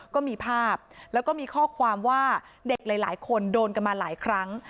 ก็มีภาพแล้วก็มีข้อความว่าเด็กหลายคนโดนกันมาหลายครั้ง